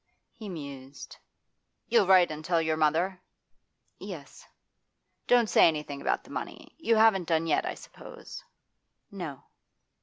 He mused. 'You'll write and tell your mother?' 'Yes.' 'Don't say anything about the money. You haven't done yet, I suppose?' 'No.